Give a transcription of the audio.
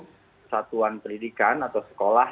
kesatuan pendidikan atau sekolah